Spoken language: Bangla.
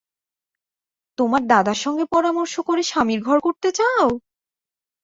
তোমার দাদার সঙ্গে পরামর্শ করে স্বামীর ঘর করতে চাও!